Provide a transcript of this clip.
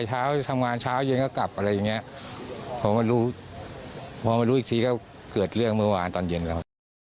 ชายทำงานเช้าเย็นก็กลับอะไรอย่างเนี่ยเพราะมันรู้อีกทีก็เกิดเรื่องเมื่อวานตอนเย็นแล้ว